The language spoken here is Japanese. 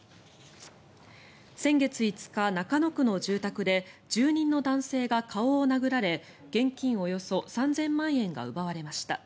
先月５日、中野区の住宅で住人の男性が顔を殴られ現金およそ３０００万円が奪われました。